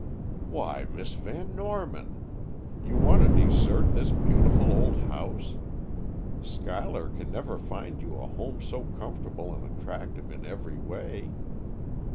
"Why, Miss Van Norman! You want to desert this beautiful old house? Schuyler can never find you a home so comfortable and attractive in every way."